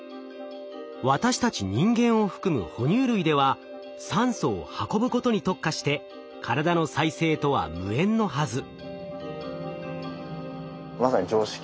私たち人間を含む哺乳類では酸素を運ぶことに特化して体の再生とは無縁のはず。